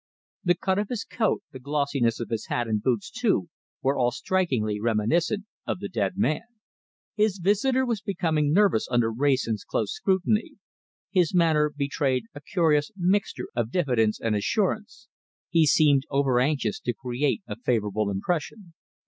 The cut of his coat, the glossiness of his hat and boots, too, were all strikingly reminiscent of the dead man. His visitor was becoming nervous under Wrayson's close scrutiny. His manner betrayed a curious mixture of diffidence and assurance. He seemed overanxious to create a favourable impression.